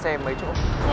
xe mấy chỗ